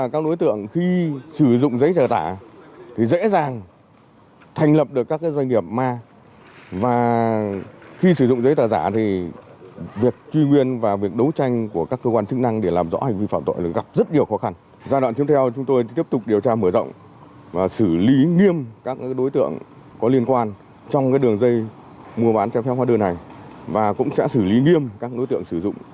các đối tượng thu lợi bất chính khoảng trên một hai tỷ đồng